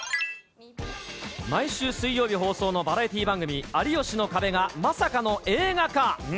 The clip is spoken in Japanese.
毎週水曜日放送のバラエティー番組、有吉の壁がまさかの映画化。